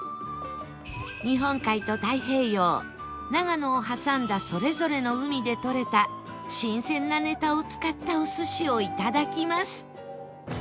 日本海と太平洋長野を挟んだそれぞれの海でとれた新鮮なネタを使ったお寿司をいただきます